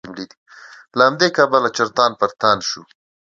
له همدې کبله چړتن پړتن شو.